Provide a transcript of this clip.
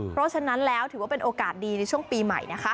เพราะฉะนั้นแล้วถือว่าเป็นโอกาสดีในช่วงปีใหม่นะคะ